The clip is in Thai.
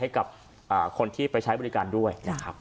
ให้กับคนที่ไปใช้บริการด้วย